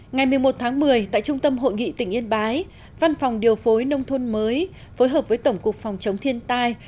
ngày một mươi một tháng một mươi tại trung tâm hội nghị tỉnh yên bái văn phòng điều phối nông thôn mới phối hợp với tổng cục phòng chống thiên tai